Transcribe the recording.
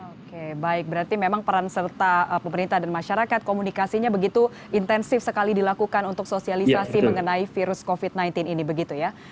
oke baik berarti memang peran serta pemerintah dan masyarakat komunikasinya begitu intensif sekali dilakukan untuk sosialisasi mengenai virus covid sembilan belas ini begitu ya